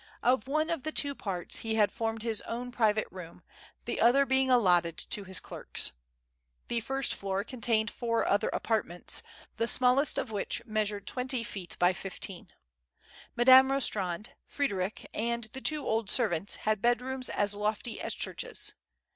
Of one of the two parts he had formed his own private room, the other being allotted to his clerks. The first floor contained four other apartments, the smallest of which measured twenty feet by fifteen. Madame Eostand, Frederic and the two old servants had bed rooms as lofty as churches.